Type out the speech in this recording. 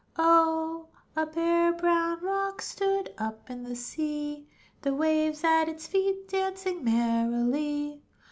Oh! a bare, brown rock Stood up in the sea, The waves at its feet Dancing merrily.